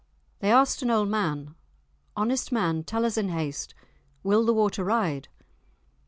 They asked an old man, "Honest man, tell us in haste, will the water ride?"